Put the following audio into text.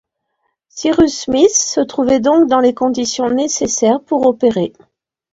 Cyrus Smith se trouvait donc dans les conditions nécessaires pour opérer.